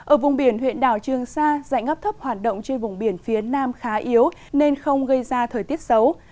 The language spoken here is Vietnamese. ở vùng biển huyện đảo trương sa dạy ngấp thấp hoạt động trên vùng biển phía nam khá yếu nên không gây ra thời tiết xấu